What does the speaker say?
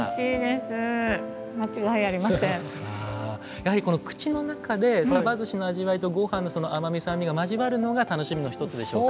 やはりこの口の中でさばずしの味わいとごはんの甘み酸味が交わるのが楽しみの一つでしょうか？